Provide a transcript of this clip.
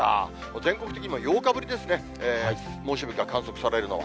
全国的にも８日ぶりですね、猛暑日が観測されるのは。